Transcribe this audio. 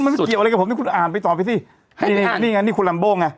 มันเกี่ยวอะไรกับผมนี่คุณอ่านไปต่อไปสิให้ไปอ่านนี่ไงนี่คุณลำโบ้งอ่ะ